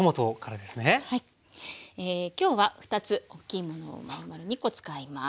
今日は２つおっきいものをまるまる２コ使います。